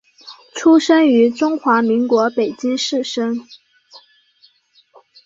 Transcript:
出生于中华民国北京市生。